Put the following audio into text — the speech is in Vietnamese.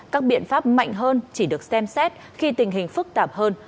các biện pháp mạnh hơn chỉ được xem xét khi tình hình phức tạp hơn